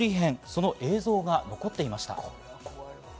その映像が残っていました。